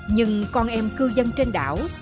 nhưng con em cư dân trên đảo